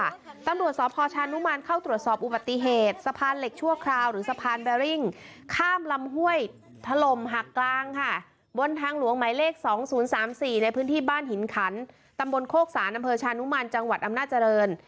ตำรวจสพชานุมานเข้าตรวจสอบอุบัติเหตุสะพานเหล็กชั่วคราวหรือสะพานแบริ่งข้ามลำห้วยถล่มหักกลางค่ะบนทางหลวงหมายเลข๒๐๓๔ในพื้นที่บ้านหินขันตำบลโคกสารอำเภอชานุมานจังหวัดอำนาจริง